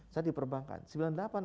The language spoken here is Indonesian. saat di perbankan